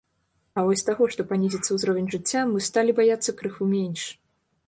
А вось таго, што панізіцца ўзровень жыцця, мы сталі баяцца крыху менш.